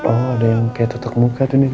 oh ada yang kayak tutup muka tuh nih